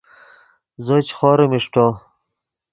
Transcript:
زو چے خوریم اݰٹو